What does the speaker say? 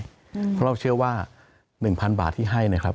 เพราะเราเชื่อว่า๑๐๐๐บาทที่ให้นะครับ